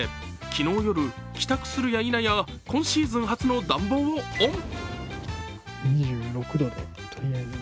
昨日夜、帰宅するやいなや、今シーズン初の暖房をオン。